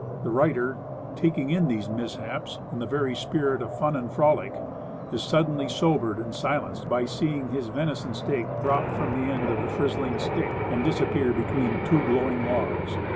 And the writer, taking in these mishaps in the very spirit of fun and frolic, is suddenly sobered and silenced by seeing his venison steak drop from the end of the "frizzling stick," and disappear between two glowing logs.